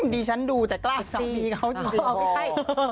ดีฉันดูแต่กล้าสามีเค้าจริง